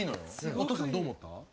お父さんどう思った？